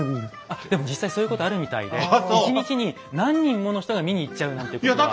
あっでも実際そういうことあるみたいで１日に何人もの人が見に行っちゃうなんてことは。